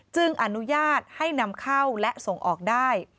อนุญาตให้นำเข้าและส่งออกได้